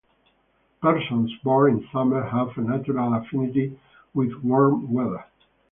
Persons born in summer have a natural affinity with warm weather.